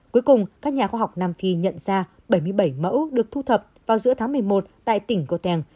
cuối cùng các nhà khoa học nam phi nhận ra bảy mươi bảy mẫu được thu thập vào giữa tháng một mươi một tại tỉnh goten